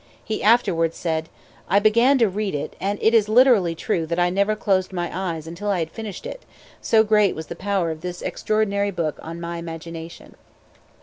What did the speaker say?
He afterwards said: "I began to read it, and it is literally true that I never closed my eyes until I had finished it, so great was the power of this extraordinary book on my imagination."